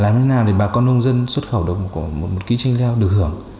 làm thế nào để bà con nông dân xuất khẩu được một ký chanh leo được hưởng